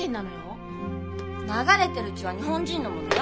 流れてる血は日本人のものよ。